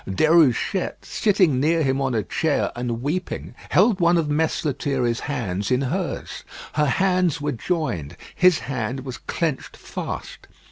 Déruchette, sitting near him on a chair and weeping, held one of Mess Lethierry's hands in hers. Her hands were joined: his hand was clenched fast.